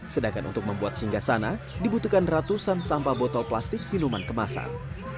sedangkan untuk membuat singgah sana dibutuhkan ratusan sampah botol plastik minuman kemasan